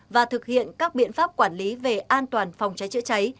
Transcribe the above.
và thực hiện các biện pháp quản lý về an toàn phòng cháy chữa cháy